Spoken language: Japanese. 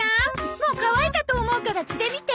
もう乾いたと思うから着てみて。